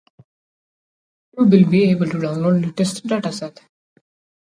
You will be able to download the latest dataset.